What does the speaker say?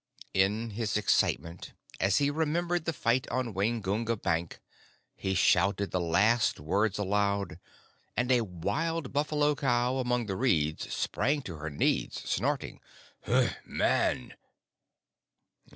In his excitement, as he remembered the fight on Waingunga bank, he shouted the last words aloud, and a wild buffalo cow among the reeds sprang to her knees, snorting, "Man!"